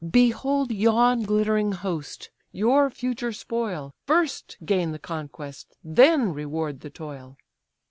Behold yon glittering host, your future spoil! First gain the conquest, then reward the toil."